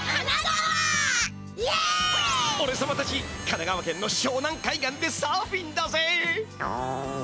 神奈川県の湘南海岸でサーフィンだぜ！